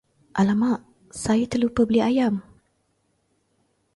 Alamak, saya terlupa beli ayam!